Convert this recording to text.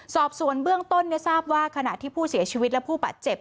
สอบสวนเบื้องต้นทราบว่าขณะที่ผู้เสียชีวิตและผู้บาดเจ็บ